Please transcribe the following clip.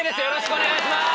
お願いします！